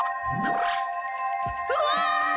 うわ！